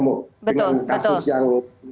dengan kasus yang